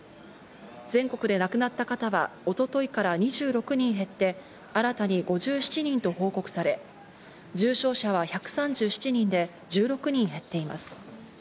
全国で亡くなった方は一昨日から２６人減って、新たに５７人と報告され、重症者は１３７人で１６人減っています。